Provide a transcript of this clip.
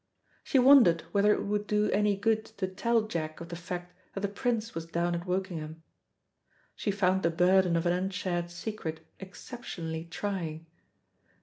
She wondered whether it would do any good to tell Jack of the fact that the Prince was down at Wokingham. She found the burden of an unshared secret exceptionally trying.